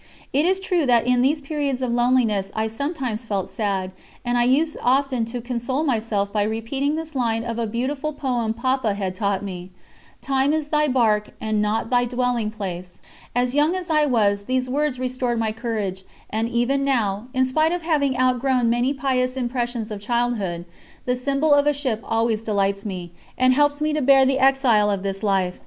It is true that in these periods of loneliness I sometimes felt sad, and I used often to console myself by repeating this line of a beautiful poem Papa had taught me: "Time is thy barque, and not thy dwelling place." Young as I was, these words restored my courage, and even now, in spite of having outgrown many pious impressions of childhood, the symbol of a ship always delights me and helps me to bear the exile of this life.